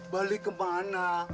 balik ke mana